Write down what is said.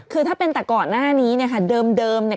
คือถ้าเป็นแต่ก่อนหน้านี้เนี่ยค่ะเดิมเนี่ย